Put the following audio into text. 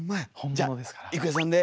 じゃ郁恵さんで。